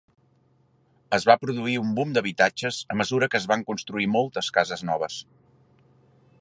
Es va produir un boom d'habitatges a mesura que es van construir moltes cases noves.